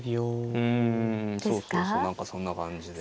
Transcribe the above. うんそうそうそう何かそんな感じで。